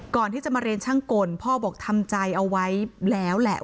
ก่อนที่จะมาเรียนช่างกลพ่อบอกทำใจเอาไว้แล้วแหละ